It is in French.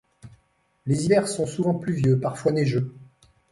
Les hivers sont souvent pluvieux, parfois neigeux.